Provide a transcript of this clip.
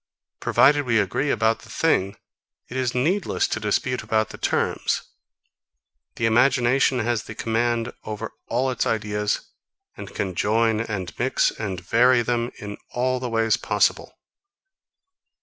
Provided we agree about the thing, it is needless to dispute about the terms. The imagination has the command over all its ideas, and can join and mix and vary them, in all the ways possible.